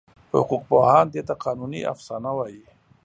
حقوقپوهان دې ته قانوني افسانه وایي.